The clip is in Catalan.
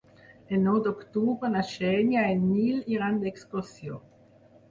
El nou d'octubre na Xènia i en Nil iran d'excursió.